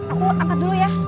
aku angkat dulu ya